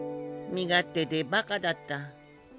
身勝手でバカだった。